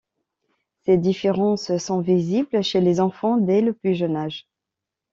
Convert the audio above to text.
Ces différences sont visibles chez les enfants dès le plus jeune âge.